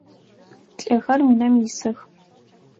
Лӏыхэр унэм исых.